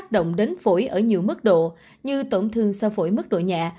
động đến phổi ở nhiều mức độ như tổn thương sơ phổi mức độ nhẹ